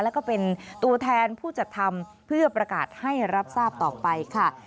แล้วก็เป็นตัวแทนผู้จัดทำเพื่อประกาศให้รับทราบต่อไปค่ะ